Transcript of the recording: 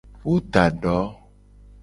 Wo da do.